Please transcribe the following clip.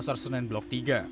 pasar senen blok tiga